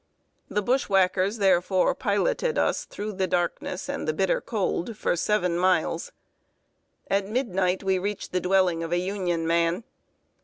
The bushwhackers, therefore, piloted us through the darkness and the bitter cold for seven miles. At midnight, we reached the dwelling of a Union man.